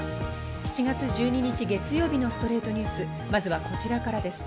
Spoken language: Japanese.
７月１２日、月曜日の『ストレイトニュース』、まずはこちらからです。